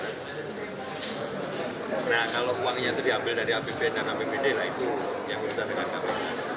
nah kalau uangnya itu diambil dari apbn dan apbd lah itu yang urusan dengan kpk